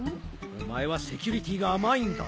お前はセキュリティーが甘いんだ。